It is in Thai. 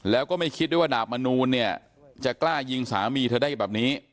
แล้วก็ไม่คิดด้วยว่าดาบมนูลเนี่ยจะกล้ายิงสามีเธอได้แบบนี้